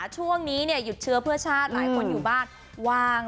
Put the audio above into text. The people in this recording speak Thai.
ช่วงนี้หยุดเชื้อเพื่อชาติหลายคนอยู่บ้านว่าง